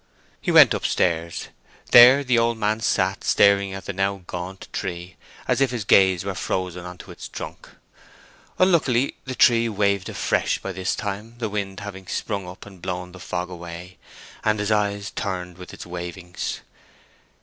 He went up stairs. There the old man sat, staring at the now gaunt tree as if his gaze were frozen on to its trunk. Unluckily the tree waved afresh by this time, a wind having sprung up and blown the fog away, and his eyes turned with its wavings.